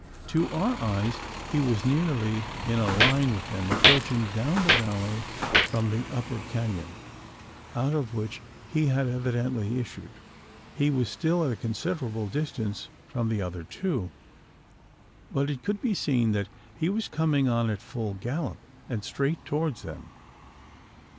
To our eyes, he was nearly in a line with them approaching down the valley from the upper canon out of which he had evidently issued. He was still at a considerable distance from the other two; but it could be seen that he was coming on at full gallop and straight towards them.